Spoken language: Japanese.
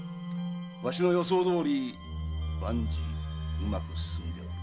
わしの予想どおり万事うまく進んでおる。